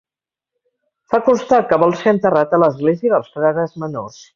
Fa constar que vol ser enterrat a l'església dels Frares Menors.